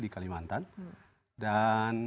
di kalimantan dan